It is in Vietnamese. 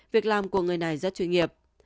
việc làm của người này rất chuyên nghiệp